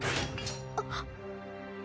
あっ。